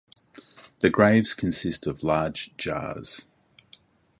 The graves consist of large jars.